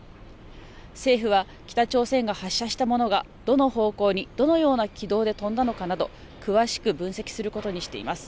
政府は北朝鮮が発射したものがどの方向に、どのような軌道で飛んだのかなど詳しく分析することにしています。